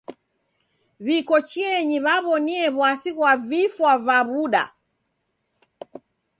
W'iko chienyi w'aw'onie w'asi ghwa vifwa va w'uda.